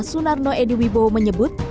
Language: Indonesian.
sunarno edy wibowo menyebut